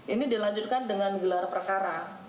ini dilanjutkan dengan gelar perkara